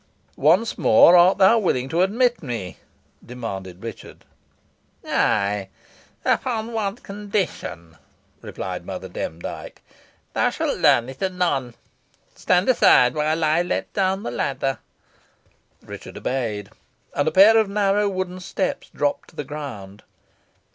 "Once more, art thou willing to admit me?" demanded Richard. "Ay, upon one condition," replied Mother Demdike. "Thou shalt learn it anon. Stand aside while I let down the ladder." Richard obeyed, and a pair of narrow wooden steps dropped to the ground.